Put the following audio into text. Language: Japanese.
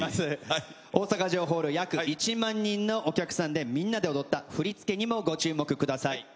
大阪城ホール約１万人のお客さんみんなで踊った振り付けにもご注目ください。